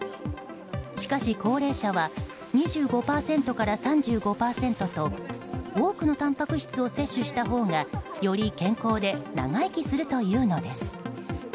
しかし、高齢者は２５％から３５％と多くのたんぱく質を摂取したほうが、より健康で長生きするというのです。